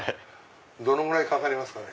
どのぐらいかかりますかね？